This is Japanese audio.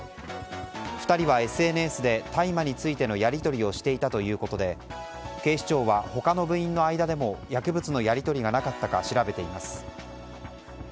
２人はＳＮＳで大麻についてのやり取りをしていたということで警視庁は他の部員の間でも薬物のやり取りがなかったか調べています。